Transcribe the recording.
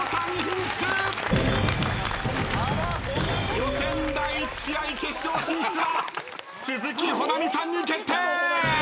予選第１試合決勝進出は鈴木保奈美さんに決定！